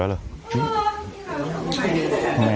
น่ารักนิสัยดีมาก